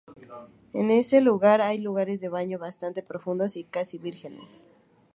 En ese lugar hay lugares de baño bastante profundos y casi vírgenes.